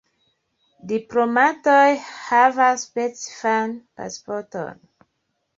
Diplomatoj havas specifan pasporton.